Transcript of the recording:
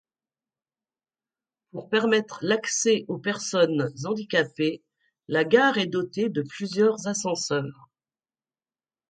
Pour permettre l'accès aux personnes handicapées, la gare est dotée de plusieurs ascenseurs.